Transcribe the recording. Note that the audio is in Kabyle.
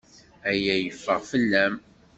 Aya yeffeɣ fell-am.